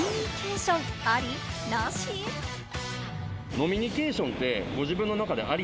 飲みニケーションあり？